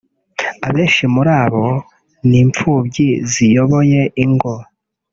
“Abenshi muri abo ni imfubyi ziyoboye ingo